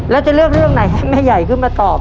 แล้วจะเลือกเรื่องไหนให้แม่ใหญ่ขึ้นมาตอบ